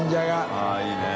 あぁいいね。